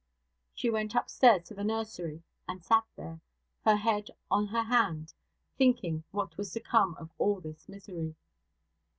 She went upstairs to the nursery and sat there, her head on her hand, thinking what was to come of all this misery.